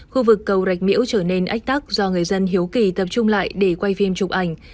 khu vực cầu rạch miễu trở nên ách tắc do người dân hiếu kỳ tập trung lại để quay phim chụp ảnh